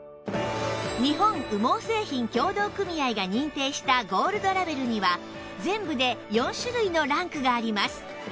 日本羽毛製品協同組合が認定したゴールドラベルには全部で４種類のランクがあります